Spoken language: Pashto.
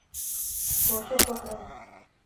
کوشش وکړئ